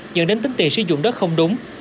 dựng đến tính tiền sử dụng đất không đúng